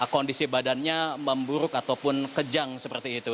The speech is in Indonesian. kondisi badannya memburuk ataupun kejang seperti itu